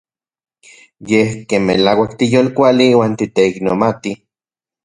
Yej ken melauak tiyolkuali uan titeiknomati.